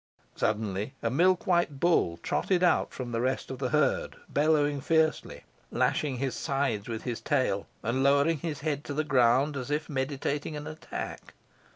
Suddenly, a milkwhite bull trotted out from the rest of the herd, bellowing fiercely, lashing his sides with his tail, and lowering his head to the ground, as if meditating an attack.